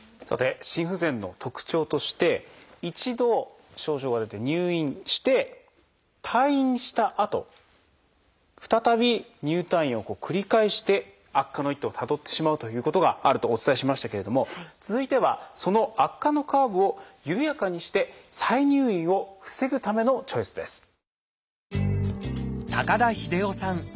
さて心不全の特徴として一度症状が出て入院して退院したあと再び入退院を繰り返して悪化の一途をたどってしまうということがあるとお伝えしましたけれども続いてはその悪化のカーブを緩やかにして再入院を防ぐためのチョイスです。